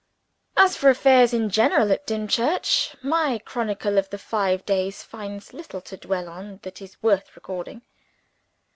As for affairs in general at Dimchurch, my chronicle of the five days finds little to dwell on that is worth recording.